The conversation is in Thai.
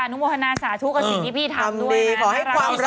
นุโมทนาสาธุกับสิ่งที่พี่ทำด้วยนะ